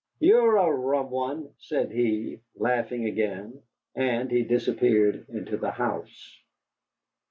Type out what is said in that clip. "You're a rum one," said he, laughing again, and he disappeared into the house.